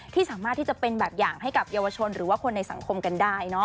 สามารถที่จะเป็นแบบอย่างให้กับเยาวชนหรือว่าคนในสังคมกันได้